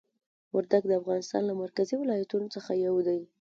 وردګ د افغانستان له مرکزي ولایتونو څخه یو دی.